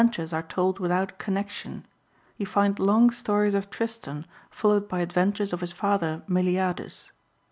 '^' tures are told without connection ; you find long stories of Tristan followed by adventures of his father Meliadus."